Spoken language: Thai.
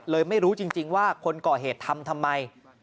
ไม่รู้จริงว่าคนก่อเหตุทำทำไม